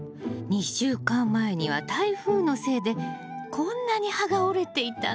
２週間前には台風のせいでこんなに葉が折れていたの。